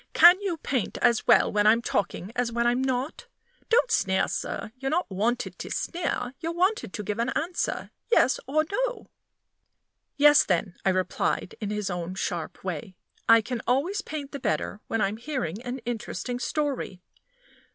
Can you paint as well when I'm talking as when I'm not? Don't sneer, sir; you're not wanted to sneer you're wanted to give an answer yes or no?" "Yes, then," I replied, in his own sharp way. "I can always paint the better when I am hearing an interesting story."